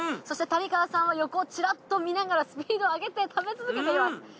そして谷川さんは横をチラッと見ながらスピード上げて食べ続けています。